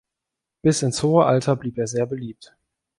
Bis ins hohe Alter blieb er sehr beliebt.